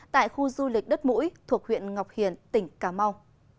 tại khu du lịch đất mũi thuộc huyện ngọc hiển tỉnh cà mau